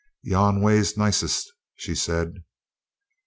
"Yon way's nicest," she said.